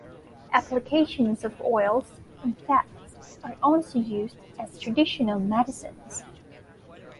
Applications of oils and fats are also used as traditional medicines.